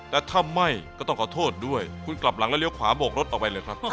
และถ้าไม่ก็ต้องขอโทษด้วยคุณกลับหลังแล้วเลี้ยขวาโบกรถออกไปเลยครับ